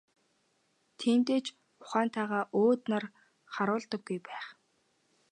Тиймдээ ч ухаантайгаа өөд нар харуулдаггүй байх.